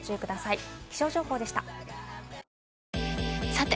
さて！